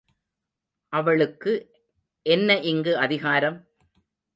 அவளுக்கு என்ன இங்கு அதிகாரம்?